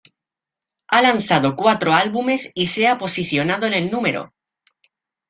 Ha lanzado cuatro álbumes y se ha posicionado en el No.